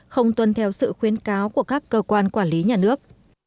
không tuân theo sự khuyến cáo của các cơ quan quản lý nhà nước